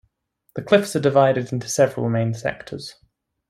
The cliffs are divided into several main sectors.